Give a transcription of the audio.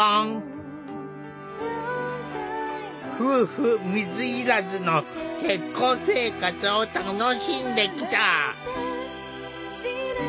夫婦水入らずの結婚生活を楽しんできた。